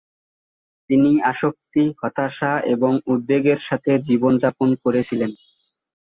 তিনি আসক্তি, হতাশা এবং উদ্বেগের সাথে জীবনযাপন করেছিলেন।